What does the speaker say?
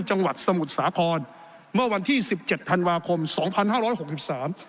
จังหวัดสมุทรสาครเมื่อวันที่สิบเจ็ดธันวาคมสองพันห้าร้อยหกสิบสาม